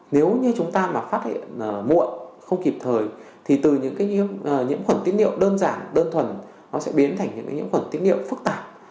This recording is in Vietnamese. nếu như chúng ta mà phát hiện muộn không kịp thời thì từ những cái nhiễm khuẩn tiết niệu đơn giản đơn thuần nó sẽ biến thành những cái nhiễm khuẩn tiết niệu phức tạp